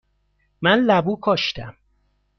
من لبو کاشتم.